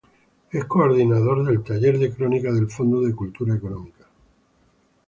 Es coordinador del Taller de Crónica del Fondo de Cultura Económica.